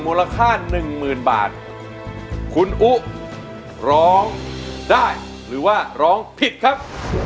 มูลค่าหนึ่งหมื่นบาทคุณอุ๊ร้องได้หรือว่าร้องผิดครับ